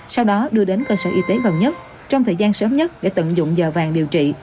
sau đó đưa đến cơ sở y tế gần nhất trong thời gian sớm nhất để tận dụng giờ vàng điều trị